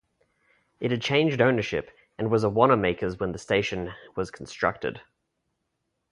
It had changed ownership and was a Wanamaker's when the station was constructed.